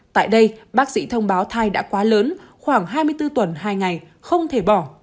tại đây bác sĩ thông báo thai đã quá lớn khoảng hai mươi bốn tuần hai ngày không thể bỏ